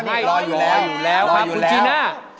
หารอยอยู่แล้วนี่รับไปลุ่มแล้วครับคุณจีนะ